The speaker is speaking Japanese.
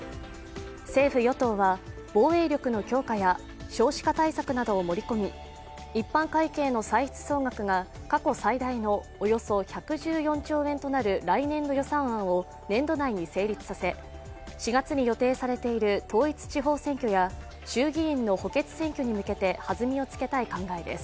政府・与党は防衛力の強化や少子化対策などを盛り込み一般会計の歳出総額が過去最大のおよそ１１４兆円となる来年度予算案を年度内に成立させ４月に予定されている統一地方選挙や衆議院の補欠選挙に向けて弾みをつけたい考えです。